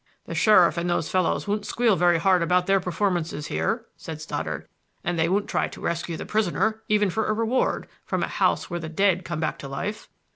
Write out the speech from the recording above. "The sheriff and those fellows won't squeal very hard about their performances here," said Stoddard. "And they won't try to rescue the prisoner, even for a reward, from a house where the dead come back to life."